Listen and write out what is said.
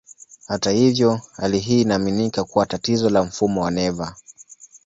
Hata hivyo, hali hii inaaminika kuwa tatizo la mfumo wa neva.